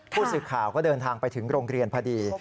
ผู้สื่อข่าวก็เดินทางไปถึงโรงเรียนพอดี